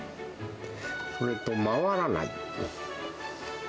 それと回らない。